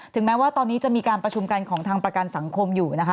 แม้ว่าตอนนี้จะมีการประชุมกันของทางประกันสังคมอยู่นะคะ